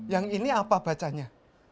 yang ini apa bacanya